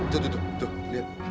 tuh tuh tuh liat